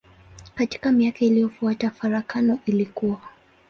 Katika miaka iliyofuata farakano ilikua.